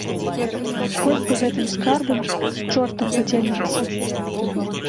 Хоць бы гэтым скарбам з чортам падзяліцца.